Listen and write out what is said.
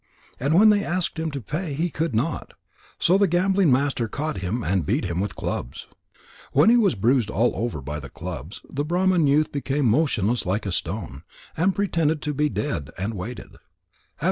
And when they asked him to pay, he could not. So the gambling master caught him and beat him with clubs. When he was bruised all over by the clubs, the Brahman youth became motionless like a stone, and pretended to be dead, and waited.